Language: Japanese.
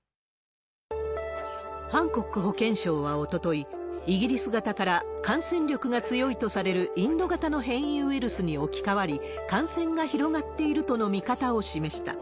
ハンコック保健相はおととい、イギリス型から、感染力が強いとされるインド型の変異ウイルスに置き換わり、感染が広がっているとの見方を示した。